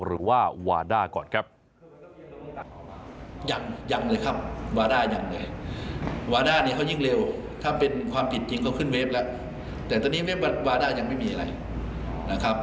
หรือว่าวาด้าก่อนครับ